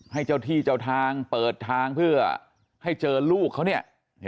ให้เจ้าที่เจ้าทางเปิดทางเพื่อให้เจอลูกเขาเนี่ย